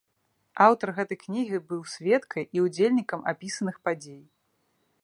Аўтар гэтай кнігі быў сведкай і ўдзельнікам апісаных падзей.